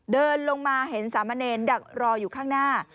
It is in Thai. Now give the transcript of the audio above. เดินลงมาเห็นสามเณรดักรออยู่ข้างหน้า